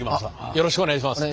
よろしくお願いします。